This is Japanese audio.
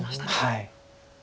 はい。